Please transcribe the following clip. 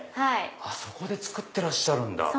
そこで作ってらっしゃるんだ。